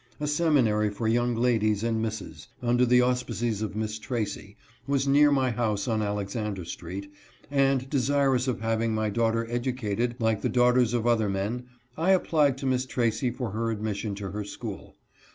A seminary for young ladies and misses, under the auspices of Miss Tracy, was near my house on Alexander street, and desirous of having my daughter educated like the daugh ters of other men, I applied to Miss Tracy for her admis sion to her school.